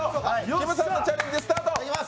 きむさんのチャレンジスタート。